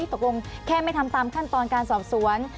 ตกลงแค่ไม่ทำตามขั้นตอนการสอบสวน